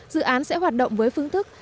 dự án sẽ hoạt động với phương thức